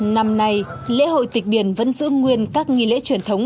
năm nay lễ hội tịch điền vẫn giữ nguyên các nghi lễ truyền thống